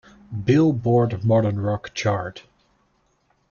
Billboard Modern Rock chart.